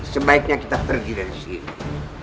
sebaiknya kita pergi dari sini